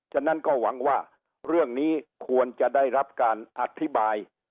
ฉะนั้นก็หวังว่าเรื่องนี้ควรจะได้รับการอธิบาย